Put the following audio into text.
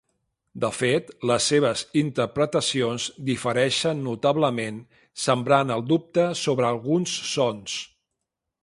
De fet les seves interpretacions difereixen notablement, sembrant el dubte sobre alguns sons.